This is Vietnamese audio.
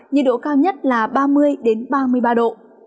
nhiệt độ cao nhất là ba mươi ba mươi ba độ